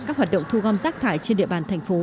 các hoạt động thu gom rác thải trên địa bàn thành phố